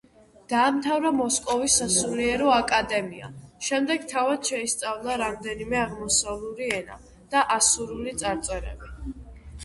დაამთავრა მოსკოვის სასულიერო აკადემია, შემდეგ თავად შეისწავლა რამდენიმე აღმოსავლური ენა და ასურული წარწერები.